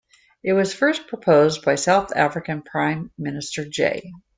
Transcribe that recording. It was first proposed by South African Prime Minister J.